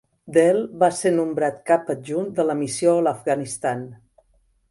Dell va ser nombrat cap adjunt de la missió a l'Afganistan.